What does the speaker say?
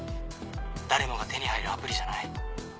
誰もが手に入るアプリじゃない。